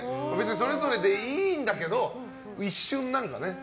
それぞれでいいんだけど一瞬、何かね。